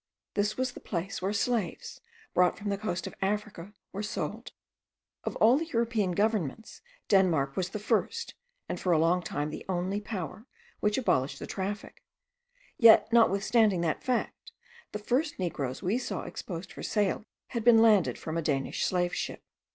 This was the place where slaves, brought from the coast of Africa, were sold. Of all the European governments Denmark was the first, and for a long time the only power, which abolished the traffic; yet notwithstanding that fact, the first negroes we saw exposed for sale had been landed from a Danish slave ship.